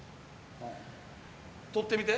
撮ってみて。